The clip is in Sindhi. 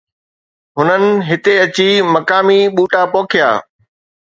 هنن هتي اچي مقامي ٻوٽا پوکيا.